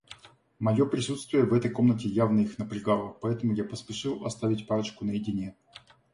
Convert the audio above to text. Мое присутствие в этой комнате явно их напрягало, поэтому я поспешил оставить парочку наедине.